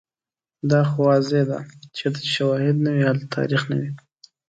دا خو واضحه ده چیرته چې شوهد نه وي، هلته تاریخ نه وي